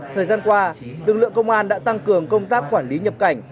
thời gian qua lực lượng công an đã tăng cường công tác quản lý nhập cảnh